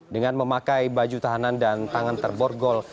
dengan memakai baju tahanan dan tangan terborgol